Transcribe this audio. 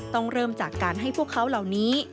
ต้องเริ่มจากการให้พวกเขาเหล่านี้